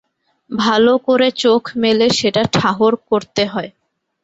ভালো করে চোখ মেলে সেটা ঠাহর করতে হয়।